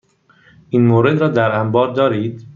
این مورد را در انبار دارید؟